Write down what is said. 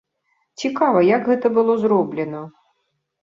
Цікава, як гэта было зроблена.